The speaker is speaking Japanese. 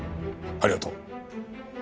ありがとう。